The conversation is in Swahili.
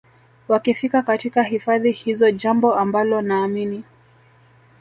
wakifika katika hifadhi hizo jambo ambalo naamini